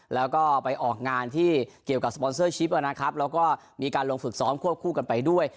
แล้วก็ไปออกงานที่เกี่ยวกับแล้วก็มีการลงฝึกซ้อมควบคู่กันไปด้วย